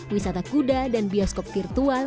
wisata kuda dan bioskop virtual